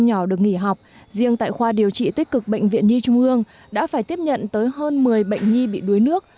nhỏ được nghỉ học riêng tại khoa điều trị tích cực bệnh viện nhi trung ương đã phải tiếp nhận tới hơn một mươi bệnh nhi bị đuối nước